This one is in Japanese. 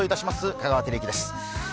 香川照之です。